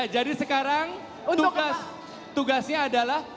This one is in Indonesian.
jadi sekarang tugasnya adalah